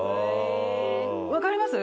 分かります？